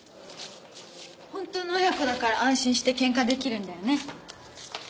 本当の親子だから安心してケンカできるんだよね。